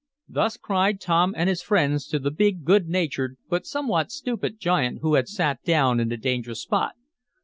Thus cried Tom and his friends to the big, good natured, but somewhat stupid, giant who had sat down in the dangerous spot.